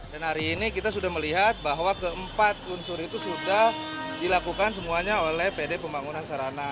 dan hari ini kita sudah melihat bahwa keempat unsur itu sudah dilakukan semuanya oleh pd pembangunan sarana